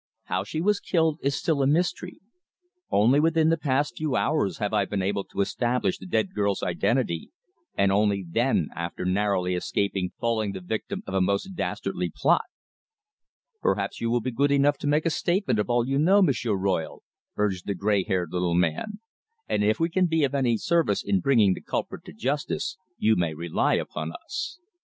How she was killed is still a mystery. Only within the past few hours have I been able to establish the dead girl's identity, and only then after narrowly escaping falling the victim of a most dastardly plot." "Perhaps you will be good enough to make a statement of all you know, M'sieur Royle," urged the grey haired little man; "and if we can be of any service in bringing the culprit to justice, you may rely upon us."